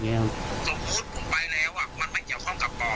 สมมุติผมไปแล้วมันไม่เกี่ยวข้องกับป่อ